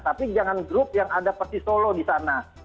tapi jangan grup yang ada persis solo disana